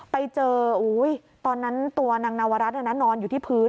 ไปเจออุ๊ยตอนนั้นตัวนางนาวรัสนั้นนอนอยู่ที่พื้น